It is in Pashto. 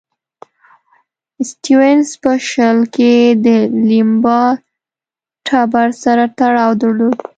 سټیونز په شل کې د لیمبا ټبر سره تړاو درلود.